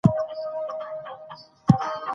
د میوند جګړه پرمخ روانه ده.